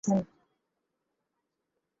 সবাইকে ওটা দিয়ে পাঠিয়েছেন।